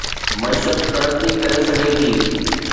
معيشت ترقي ڪري سگهي ٿي